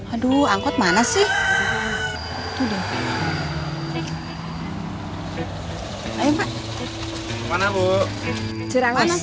aduh angkot mana sih